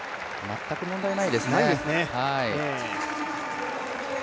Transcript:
全く問題ないですね。